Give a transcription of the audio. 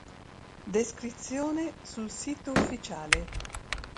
Descrizione sul sito ufficiale